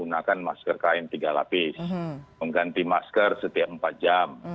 gunakan masker kain tiga lapis mengganti masker setiap empat jam